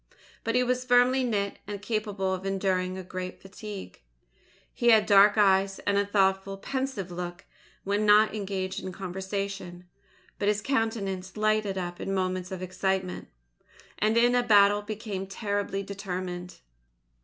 But he was firmly knit, and capable of enduring great fatigue. He had dark eyes and a thoughtful, pensive look when not engaged in conversation; but his countenance lighted up in moments of excitement, and in battle became terribly determined.